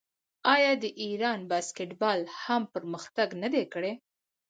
آیا د ایران باسکیټبال هم پرمختګ نه دی کړی؟